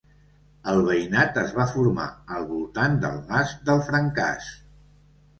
El veïnat es va formar al voltant del mas del Francàs.